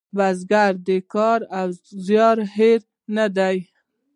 بزګر د کار او زیار هیرو نه دی